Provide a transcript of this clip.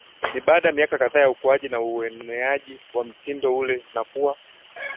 ni baada ya miaka kadhaa ya ukuaji na ueneaji wa mtindo ule na kuwa